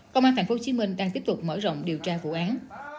công an tp hcm đang tiếp tục mở rộng điều tra vụ án